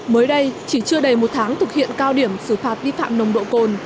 mới đây chỉ chưa đầy một tháng thực hiện cao điểm xử phạt vi phạm nồng độ cồn